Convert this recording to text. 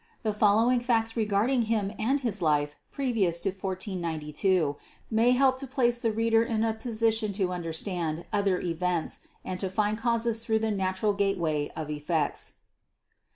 The following facts regarding him and his life previous to 1492 may help to place the reader in a position to understand other events and to find causes through the natural gateway of effects.